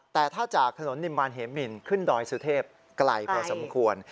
แต่ถ้าจากถนนนิมมารเหมินขึ้นดอยสุเทพไกลพอสมควร